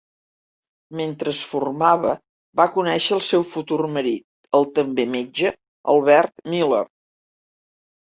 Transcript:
Mentre es formava va conèixer el seu futur marit, el també metge Albert Miller.